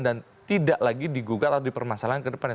dan tidak lagi digugat atau dipermasalahkan kedepannya